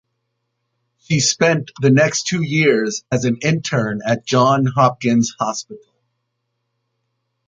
She spent the next two years as an intern at Johns Hopkins Hospital.